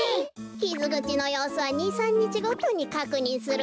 きずぐちのようすは２３にちごとにかくにんするべきなんだわ。